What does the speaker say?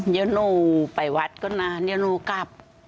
เยอะนู่ไปวัดก็นานเยอะนู่กลับ